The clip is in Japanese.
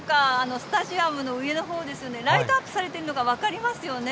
スタジアムの上のほうですね、ライトアップされているのが分かりますよね。